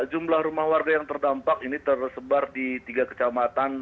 jumlah rumah warga yang terdampak ini tersebar di tiga kecamatan